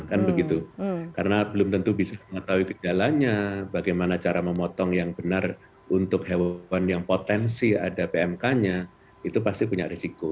karena belum tentu bisa mengetahui kejadalanya bagaimana cara memotong yang benar untuk hewan yang potensi ada pmk nya itu pasti punya risiko